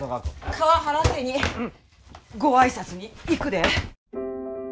川原家にご挨拶に行くでえ。